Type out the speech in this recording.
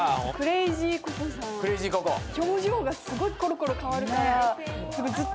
表情がすごいころころ変わるから。